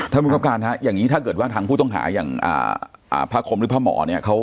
บังคับการฮะอย่างนี้ถ้าเกิดว่าทางผู้ต้องหาอย่างพระคมหรือพระหมอเนี่ย